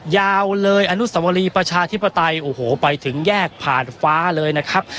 ยาวเลยอนุสวรีประชาธิปไตยโอ้โหไปถึงแยกผ่านฟ้าเลยนะครับ